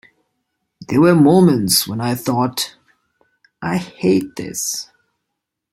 There were moments when I thought, 'I hate this.